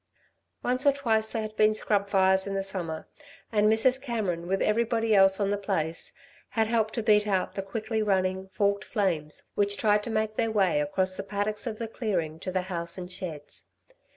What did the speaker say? Once or twice there had been scrub fires in the summer, and Mrs. Cameron, with everybody else on the place, had helped to beat out the quickly running, forked flames which tried to make their way across the paddocks of the clearing to the house and sheds.